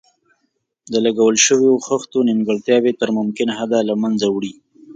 د لګول شویو خښتو نیمګړتیاوې تر ممکن حده له منځه وړي.